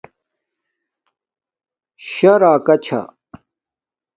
شاݵ راکا چھا